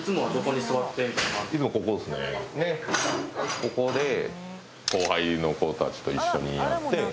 ここで後輩の子たちと一緒にやって。